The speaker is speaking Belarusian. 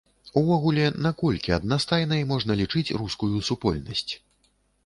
Увогуле, наколькі аднастайнай можна лічыць рускую супольнасць?